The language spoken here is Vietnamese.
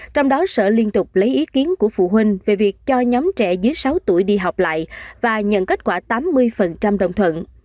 trong đó sở liên tục lấy ý kiến của phụ huynh về việc cho nhóm trẻ dưới sáu tuổi đi học lại và nhận kết quả tám mươi đồng thuận